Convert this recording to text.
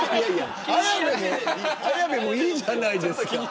綾部もいいじゃないですか。